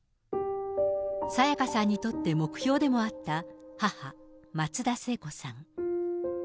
沙也加さんにとって目標でもあった母、松田聖子さん。